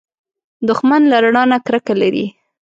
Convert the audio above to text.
دښمن له رڼا نه کرکه لري